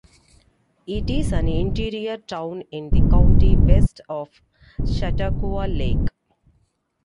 It is an interior town in the county, west of Chautauqua Lake.